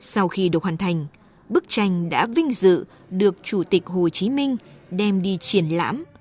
sau khi được hoàn thành bức tranh đã vinh dự được chủ tịch hồ chí minh đem đi triển lãm